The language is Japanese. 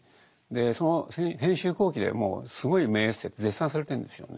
その編集後記でもすごい名エッセイと絶賛されてるんですよね。